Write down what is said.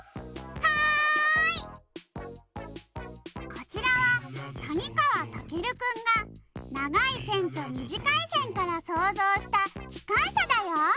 こちらはたにかわたけるくんが「ながいせん」と「みじかいせん」からそうぞうしたきかんしゃだよ！